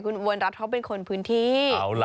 คุณอุบลรัฐเขาเป็นคนพื้นที่